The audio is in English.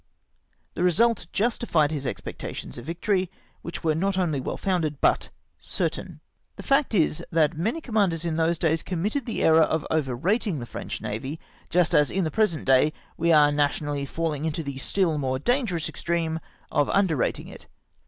The result justified his expectations of victory, which were n,ot only well founded but certain. The fact is, that many commanders in those days committed the error of overrating the French navy, just as, in the present day, we are nationally falhng into the still more dangerous extreme of underrating it.